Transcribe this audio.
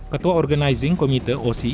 ketua organizing komite osi